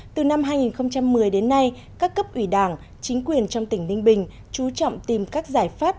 từ năm hai nghìn một mươi đến nay các cấp ủy đảng chính quyền trong tỉnh ninh bình chú trọng tìm các giải pháp